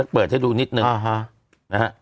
เปิดให้ดูนิดนึง